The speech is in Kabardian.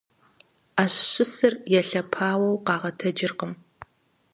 Ӏэщ щысыр елъэпауэу къагъэтэджыркъым.